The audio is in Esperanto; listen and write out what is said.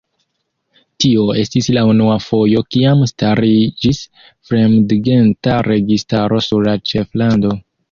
Tio estis la unua fojo kiam stariĝis fremdgenta registaro sur la ĉeflando.